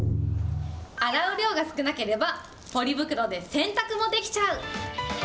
洗う量が少なければ、ポリ袋で洗濯もできちゃう。